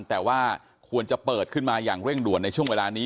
แต่ว่าควรจะเปิดขึ้นมาอย่างเร่งด่วนในช่วงเวลานี้